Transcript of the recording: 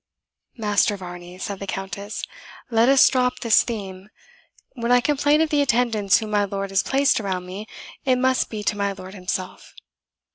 "Master Varney," said the Countess, "let us drop this theme. When I complain of the attendants whom my lord has placed around me, it must be to my lord himself.